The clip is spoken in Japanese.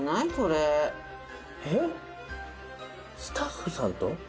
スタッフさんと？